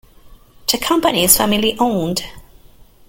The company is family-owned.